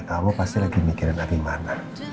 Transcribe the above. kamu pasti lagi mikirin abimana